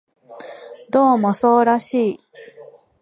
どうもそうらしい